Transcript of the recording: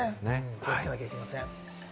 気をつけなきゃいけません。